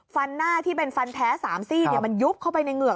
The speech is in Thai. ฟันหน้าที่เป็นฟันแท้สามสิ้นมันยุบเข้าไปในเงือก